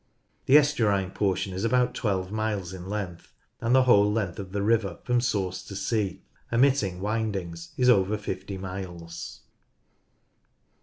The estuarine portion is about 12 miles in length, and the whole length of the river from source to sea, omitting windings, is over 50 miles.